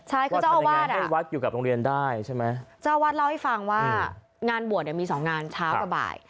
ใช่คือเจ้าอาวาดอ่ะเจ้าอาวาดเล่าให้ฟังว่างานบัวเนี่ยมีสองงานเช้ากับบ่าย